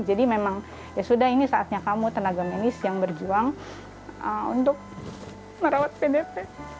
jadi memang ya sudah ini saatnya kamu tenaga menis yang berjuang untuk merawat pdp